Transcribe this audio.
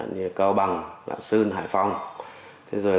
như là cao bằng lạng sơn hải phòng